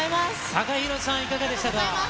ＴＡＫＡＨＩＲＯさん、いかがでしたか。